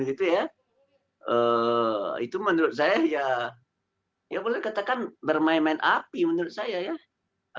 itu menurut saya ya boleh katakan bermain main api menurut saya ya